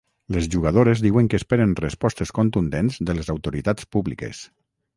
Les jugadores diuen que esperen respostes contundents de les autoritats públiques